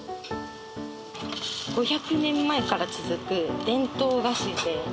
５００年前から続く伝統菓子で。